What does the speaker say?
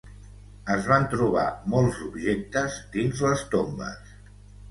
Es van trobar molts objectes dins les tombes.